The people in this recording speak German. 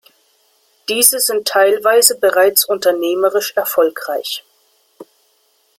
Diese sind teilweise bereits unternehmerisch erfolgreich.